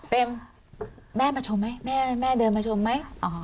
เป็นแม่มาชมไหมแม่เดินมาชมไหม